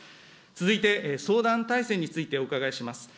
続いて相談体制についてお伺いします。